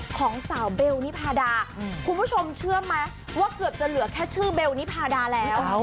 ของสาวเบลนิพาดาคุณผู้ชมเชื่อไหมว่าเกือบจะเหลือแค่ชื่อเบลนิพาดาแล้ว